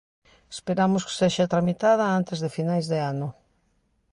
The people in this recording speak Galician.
Esperamos que sexa tramitada antes de finais de ano.